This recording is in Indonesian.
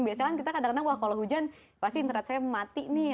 biasanya kan kita kadang kadang wah kalau hujan pasti internet saya mati nih